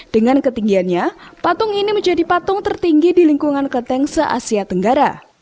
dengan ketinggiannya patung ini menjadi patung tertinggi di lingkungan kelenteng se asia tenggara